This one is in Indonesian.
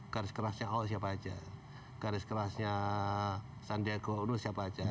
garis kerasnya o siapa aja garis kerasnya sandiago uru siapa aja